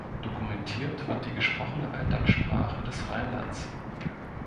Dokumentiert wird die gesprochene Alltagssprache des Rheinlands.